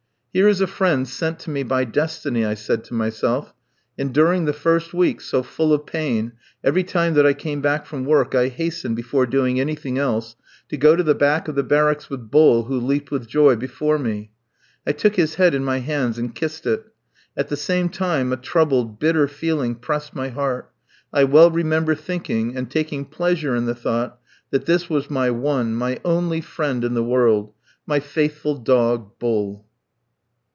"Here is a friend sent to me by destiny," I said to myself, and during the first weeks, so full of pain, every time that I came back from work I hastened, before doing anything else, to go to the back of the barracks with Bull, who leaped with joy before me. I took his head in my hands and kissed it. At the same time a troubled, bitter feeling pressed my heart. I well remember thinking and taking pleasure in the thought that this was my one, my only friend in the world my faithful dog, Bull.